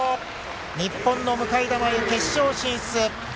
日本の向田真優、決勝進出。